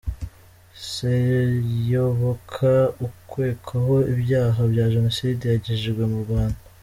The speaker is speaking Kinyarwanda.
Seyoboka ukekwaho ibyaha bya Jenoside yagejejwe mu Rwanda.